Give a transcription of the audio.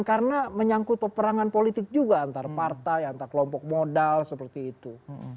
karena menyangkut peperangan politik juga antara partai antara kelompok modal seperti itu